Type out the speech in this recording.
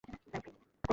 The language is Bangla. এটা মজার কিছু না!